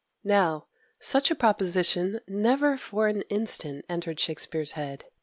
Now, such a proposition never for an instant entered Shakspere's head.